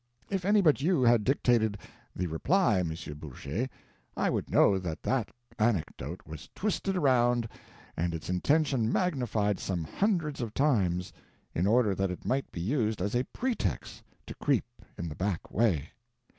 If any but you had dictated the Reply, M. Bourget, I would know that that anecdote was twisted around and its intention magnified some hundreds of times, in order that it might be used as a pretext to creep in the back way.